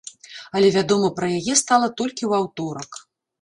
Але вядома пра яе стала толькі ў аўторак.